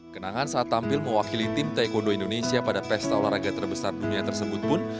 kenangan saat tampil mewakili tim taekwondo indonesia pada pesta olahraga terbesar dunia tersebut pun